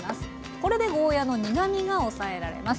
これでゴーヤーの苦みが抑えられます。